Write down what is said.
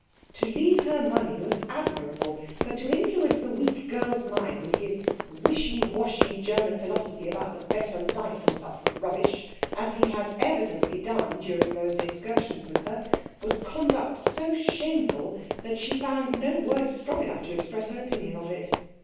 To leave her money was admirable, but to influence a weak girl's mind with his wishy washy German philosophy about the better life and such rubbish, as he evidently had done during those excursions with her, was conduct so shameful that she found no words strong enough to express her opinion of it.